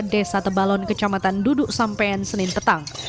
desa tebalon kecamatan duduk sampen senin tetang